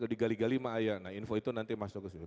di gali gali maaya info itu nanti masuk ke sini